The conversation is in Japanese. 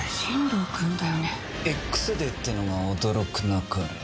Ｘデーってのが驚くなかれ。